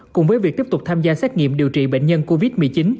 cùng với việc tiếp tục tham gia xét nghiệm điều trị bệnh nhân covid một mươi chín